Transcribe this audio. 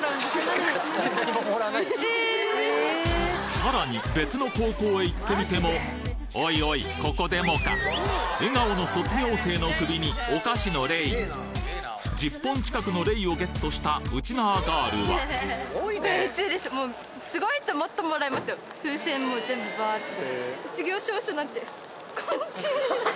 さらに別の高校へ行ってみてもおいおいここでもか笑顔の卒業生の首にお菓子のレイ１０本近くのレイをゲットしたウチナーガールは風船も全部バーッと。